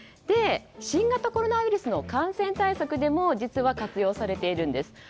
新型コロナウイルスの感染対策でも実は活用されているんです。